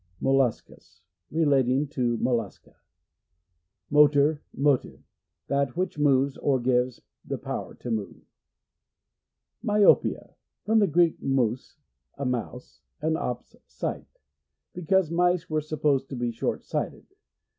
Molluscous. — Relating to Mollusca. Motor. ) That which moves, or Motive. ^ gives the power to move. Myopia. — From the Greek, 7nus, a mouse, and ops, sight. Because mice were supposed to be short sighted.